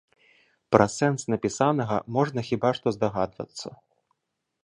Пра сэнс напісанага можна хіба што здагадвацца.